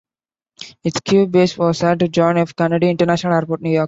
Its crew base was at John F. Kennedy International Airport, New York.